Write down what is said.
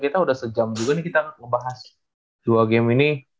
kita udah sejam juga nih kita ngebahas dua game ini